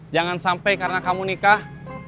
jangan sampai karena kamu nikah